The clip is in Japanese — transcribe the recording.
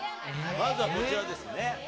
まずはこちらですね。